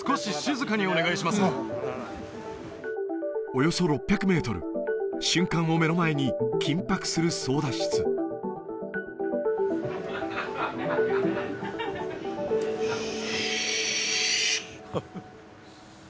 およそ６００メートル瞬間を目の前に緊迫する操舵室シー！